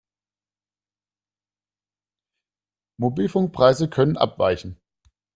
Mobilfunkpreise können abweichen.